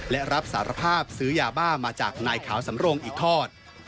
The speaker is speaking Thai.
และรับสารภาพซื้อยาบ้ามาจากนายขาวสำรงอีกทอด